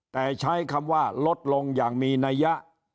แต่ใช้คำว่าลดลงอย่างมีนัยยะ